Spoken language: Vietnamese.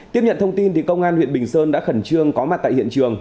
tiếp nhận thông tin công an huyện bình sơn đã khẩn trương có mặt tại hiện trường